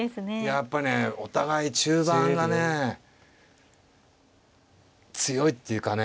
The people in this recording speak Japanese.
やっぱねお互い中盤がね強いっていうかね。